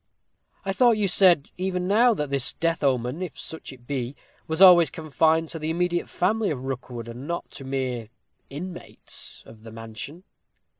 "I thought you said, even now, that this death omen, if such it be, was always confined to the immediate family of Rookwood, and not to mere inmates of the mansion."